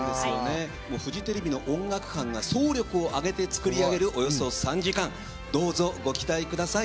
フジテレビの音楽班が総力を挙げて作り上げるおよそ３時間どうぞご期待ください。